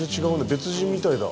別人みたいだ。